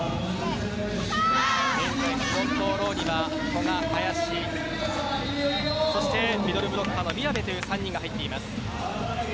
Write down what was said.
現在フロントローには古賀と林そしてミドルブロッカーの宮部という３人が入っています。